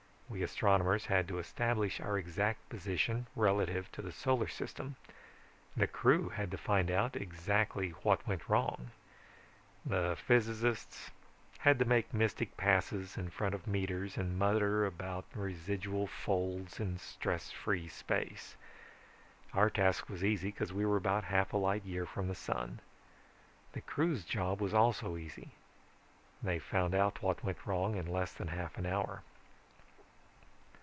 We astronomers had to establish our exact position relative to the solar system. The crew had to find out exactly what went wrong. The physicists had to make mystic passes in front of meters and mutter about residual folds in stress free space. Our task was easy, because we were about half a light year from the sun. The crew's job was also easy: they found what went wrong in less than half an hour.